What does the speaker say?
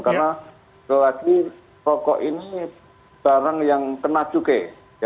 karena lagi rokok ini barang yang kena cukai